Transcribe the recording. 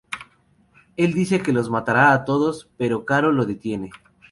Él dice que los matará a todos, pero Carol lo detiene.